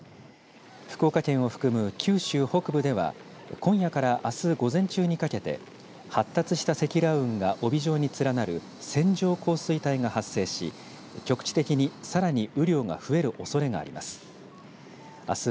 福岡県を含む九州北部では今夜からあす午前中にかけて発達した積乱雲が帯状に連なる線状降水帯が発生し局地的にさらに雨量が増えるおそれがあります。